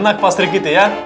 enak pasri kitty ya